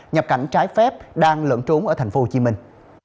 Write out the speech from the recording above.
nhập cảnh trái phép đang lẫn trốn ở thành phố hồ chí minh